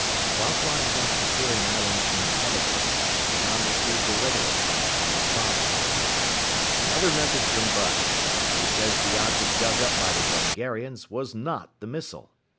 While flying back to Fearing Island in a helijet, Tom received a radio flash from his father. "Another message from Bud. He says the object dug up by the Brungarians was not the missile.